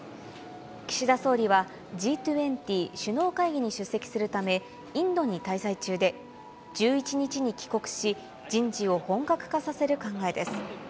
岸田総理はＧ２０首脳会議に出席するため、インドに滞在中で、１１日に帰国し、人事を本格化させる考えです。